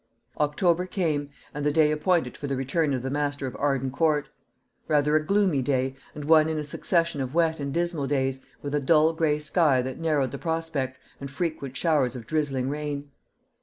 October came, and the day appointed for the return of the master of Arden Court; rather a gloomy day, and one in a succession of wet and dismal days, with a dull gray sky that narrowed the prospect, and frequent showers of drizzling rain.